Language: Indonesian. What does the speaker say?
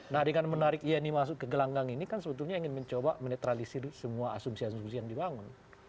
nah dengan menarik yeni masuk ke gelanggang ini kan sebetulnya ingin mencoba menetralisir semua asumsi asumsi yang dibangun